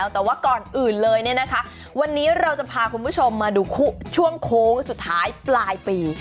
แต่ว่าก่อนอื่นเลยวันนี้เราจะพาคุณผู้ชมมาดูช่วงโค้งสุดท้ายปลายปี